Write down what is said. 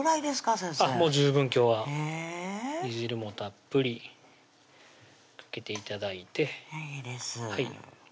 先生もう十分今日は煮汁もたっぷりかけて頂いてねぎですはい